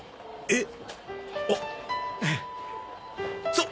えっ？